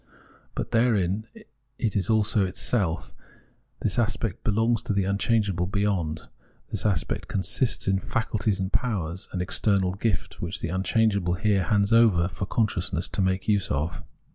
But therein it is also in itself ; this aspect belongs to the unchange able ' beyond/ This aspect consists in faculties and powers : an external gift, which the unchangeable here hands over for consciousness to make use of.